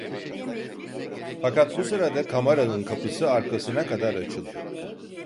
Fakat bu sırada kamaranın kapısı arkasına kadar açıldı.